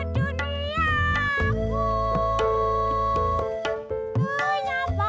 gue mau bunuh diri be